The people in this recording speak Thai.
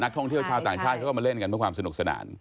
ท่องเที่ยวชาวต่างชาติเขาก็มาเล่นกันเพื่อความสนุกสนาน